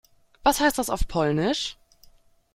Was heißt das auf Polnisch?